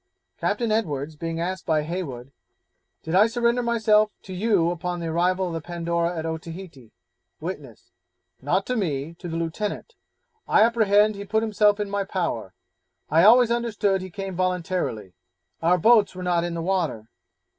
Captain Edwards, being asked by Heywood 'Did I surrender myself to you upon the arrival of the Pandora at Otaheite?' Witness 'Not to me, to the Lieutenant. I apprehend he put himself in my power. I always understood he came voluntarily; our boats were not in the water.'